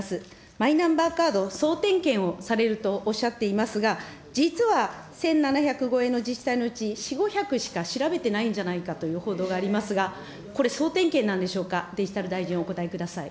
マイナンバーカード総点検をされるとおっしゃっていますが、実は１７００超えの自治体のうち、４、５００しか調べてないんじゃないかという報道がありますが、これ総点検なんでしょうか、デジタル大臣、お答えください。